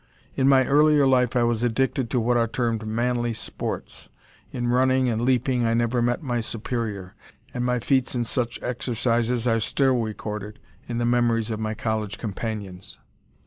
In my earlier life I was addicted to what are termed "manly sports." In running and leaping I never met my superior; and my feats in such exercises are still recorded in the memories of my college companions.